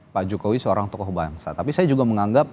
pak jokowi seorang tokoh bangsa tapi saya juga menganggap